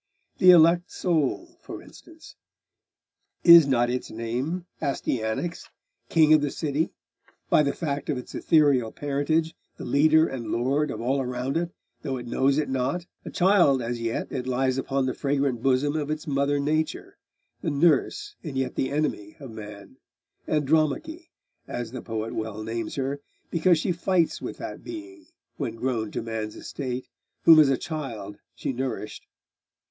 'The elect soul, for instance is not its name Astyanax, king of the city; by the fact of its ethereal parentage, the leader and lord of all around it, though it knows it not? A child as yet, it lies upon the fragrant bosom of its mother Nature, the nurse and yet the enemy of man Andromache, as the poet well names her, because she fights with that being, when grown to man's estate, whom as a child she nourished.